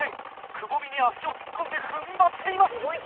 くぼみに足を突っ込んで踏ん張っています。